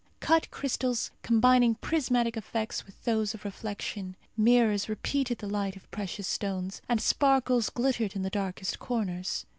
Cut crystals combining prismatic effects with those of reflection. Mirrors repeated the light of precious stones, and sparkles glittered in the darkest corners.